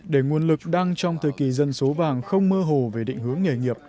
để nguồn lực đang trong thời kỳ dân số vàng không mơ hồ về định hướng nghề nghiệp